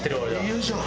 よいしょ！